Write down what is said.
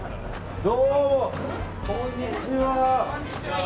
どうも、こんにちは。